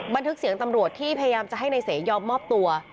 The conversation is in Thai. บันทึกเสียงตำรวจที่พยายามจะให้นายเสยอมมอบตัว